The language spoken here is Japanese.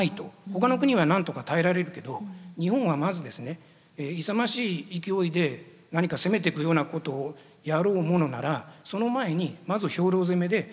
他の国は何とか耐えられるけど日本はまずですね勇ましい勢いで何か攻めてくようなことをやろうものならその前にまず兵糧攻めで飢え死にする。